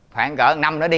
khoảng gỡ một năm nữa đi